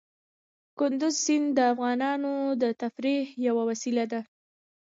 کندز سیند د افغانانو د تفریح یوه وسیله ده.